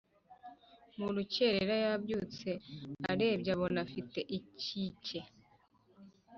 murukerera yabyutse arebye abona afite ikike